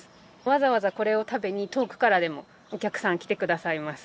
わざわざこれを食べに遠くからでもお客さん来てくださいます。